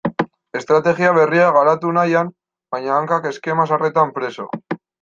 Estrategia berriak garatu nahian, baina hankak eskema zaharretan preso.